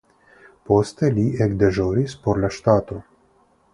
Poste li ekdeĵoris por la ŝtato.